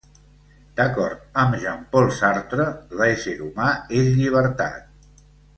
D'acord amb Jean-Paul Sartre, l'ésser humà és llibertat.